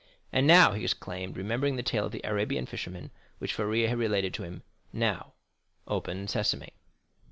"And now," he exclaimed, remembering the tale of the Arabian fisherman, which Faria had related to him, "now, Open Sesame!"